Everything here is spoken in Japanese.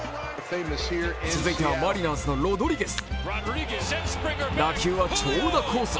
続いてはマリナーズのロドリゲス。